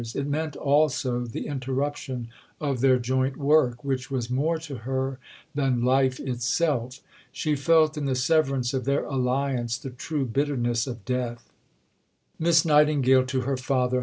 It meant also the interruption of their joint work, which was more to her than life itself. She felt in the severance of their alliance the true bitterness of death: (_Miss Nightingale to her Father.